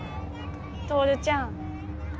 透ちゃん。